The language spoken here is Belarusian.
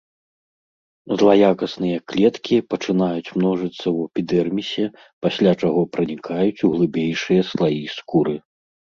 Злаякасныя клеткі пачынаюць множыцца ў эпідэрмісе, пасля чаго пранікаюць у глыбейшыя слаі скуры.